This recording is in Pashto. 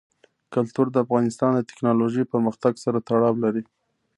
کلتور د افغانستان د تکنالوژۍ پرمختګ سره تړاو لري.